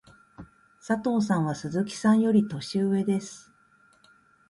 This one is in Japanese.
佐藤さんは鈴木さんより年上です。